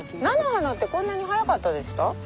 菜の花ってこんなに早かったでした？